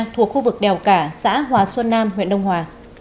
thuộc khu vực đèo cả xã hòa xuân nam huyện đông hòa